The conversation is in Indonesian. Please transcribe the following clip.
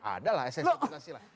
ada lah esensi pancasila